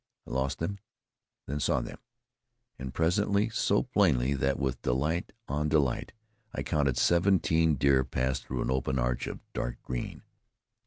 I lost them, then saw them, and presently so plainly that, with delight on delight, I counted seventeen deer pass through an open arch of dark green.